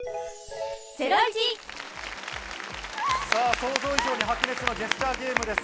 想像以上に白熱のジェスチャーゲームです。